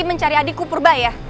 imanku uituh ke ferjandanya